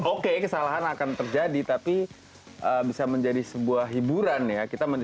oke kesalahan akan terjadi tapi bisa menjadi sebuah hiburan ya